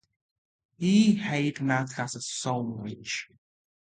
He hates math class so much.